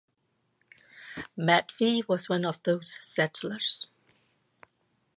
Matvey was one of those settlers.